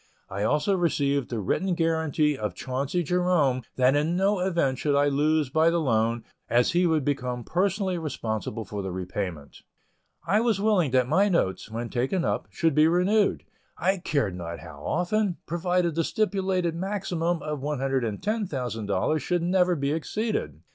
I also received the written guaranty of Chauncey Jerome that in no event should I lose by the loan, as he would become personally responsible for the repayment. I was willing that my notes, when taken up, should be renewed, I cared not how often, provided the stipulated maximum of $110,000 should never be exceeded.